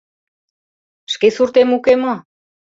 — Шке суртем уке мо?